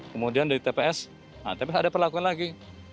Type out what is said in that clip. kemudian dari tps nah tps ada perlakuan lagi